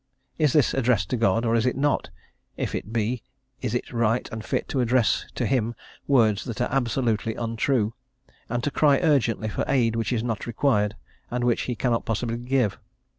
Is this addressed to God, or is it not? If it be, is it right and fit to address to him words that are absolutely untrue, and to cry urgently for aid which is not required, and which He cannot possibly give?